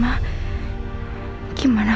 baru kita telanjut